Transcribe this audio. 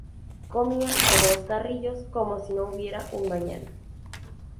Comía a dos carrillos como si no hubiera un mañana